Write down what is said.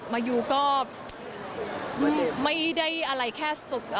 มายูก็ไม่ได้อะไรแค่สุด